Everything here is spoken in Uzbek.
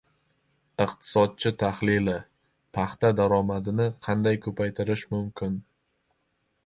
Iqtisodchi tahlili: Paxta daromadini qanday ko‘paytirish mumkin?